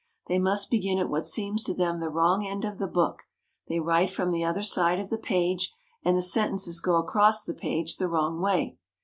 They must begin at what seems to them the wrong end of the book. They write from the other side of the page, and the sen tences go across the page The Soroban. the wrong way.